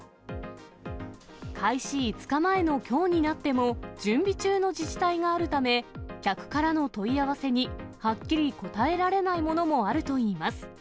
開始５日前のきょうになっても、準備中の自治体があるため、客からの問い合わせにはっきり答えられないものもあるといいます。